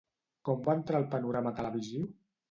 Com va entrar al panorama televisiu?